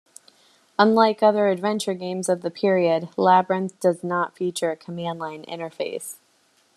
Unlike other adventure games of the period, "Labyrinth" does not feature a command-line interface.